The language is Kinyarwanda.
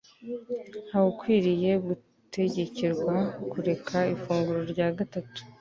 Nta Wukwiriye Gutegekerwa Kureka Ifunguro rya Gatatu